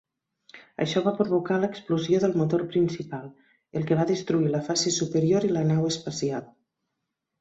Això va provocar l'explosió del motor principal, el que va destruir la fase superior i la nau espacial.